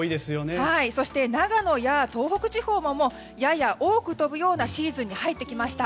そして、長野や東北地方もやや多く飛ぶようなシーズンに入ってきました。